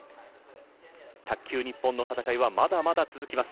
卓球・日本の戦いはまだまだ続きます。